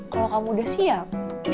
kalau kamu sudah siap